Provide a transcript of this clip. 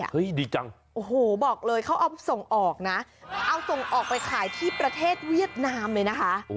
ดีจังโอ้โหบอกเลยเขาเอาส่งออกนะเอาส่งออกไปขายที่ประเทศเวียดนามเลยนะคะ